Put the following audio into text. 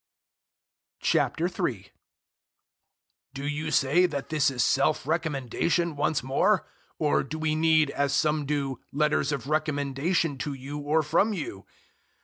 003:001 Do you say that this is self recommendation once more? Or do we need, as some do, letters of recommendation to you or from you?